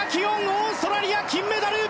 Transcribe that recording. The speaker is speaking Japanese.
オーストラリア、金メダル。